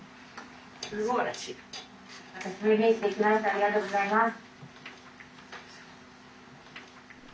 ありがとうございます。